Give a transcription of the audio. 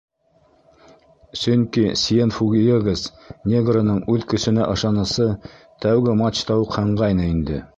Сөнки Сьенфуэгос негрының үҙ көсөнә ышанысы тәүге матчта уҡ һынғайны инде.